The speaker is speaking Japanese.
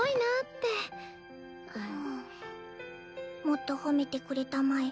もっと褒めてくれたまえ。